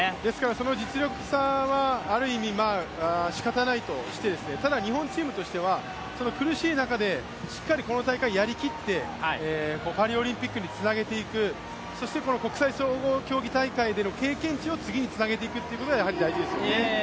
その実力差はある意味しかたないとして、ただ日本チームとしては苦しい中でしっかりこの大会やりきって、パリオリンピックにつなげていく、そして国際総合競技大会の経験値を次につなげていくということがやはり大事ですよね。